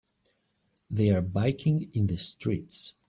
They are biking in the streets.